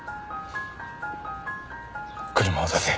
車を出せ。